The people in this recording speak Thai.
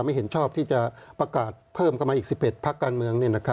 ไม่เห็นชอบที่จะประกาศเพิ่มเข้ามาอีก๑๑พักการเมือง